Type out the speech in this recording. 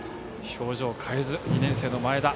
表情かえず、２年生の前田。